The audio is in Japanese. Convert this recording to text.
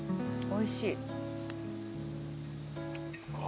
おいしい。